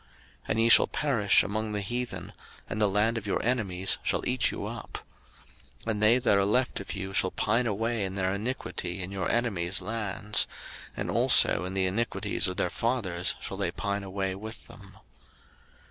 03:026:038 And ye shall perish among the heathen, and the land of your enemies shall eat you up. 03:026:039 And they that are left of you shall pine away in their iniquity in your enemies' lands; and also in the iniquities of their fathers shall they pine away with them.